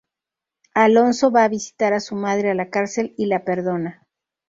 Alonso va a visitar a su madre a la cárcel y la perdona.